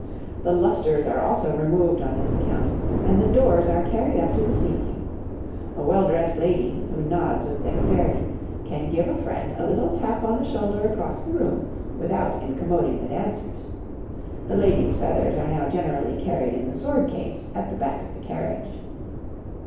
The lustres are also removed on this account, and the doors are carried up to the ceiling. A well dressed lady, who nods with dexterity, can give a friend a little tap upon the shoulder across the room without incommoding the dancers. The ladies' feathers are now generally carried in the sword case at the back of the carriage.